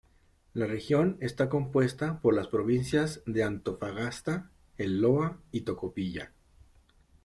La región está compuesta por las provincias de Antofagasta, El Loa y Tocopilla.